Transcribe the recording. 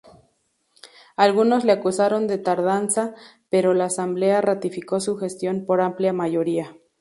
Algunos le acusaron de tardanza, pero la Asamblea ratificó su gestión por amplia mayoría.